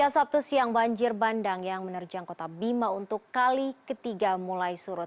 sabtu siang banjir bandang yang menerjang kota bima untuk kali ketiga mulai surut